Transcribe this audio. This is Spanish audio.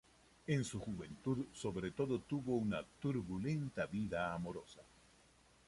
En su juventud sobre todo tuvo una turbulenta vida amorosa.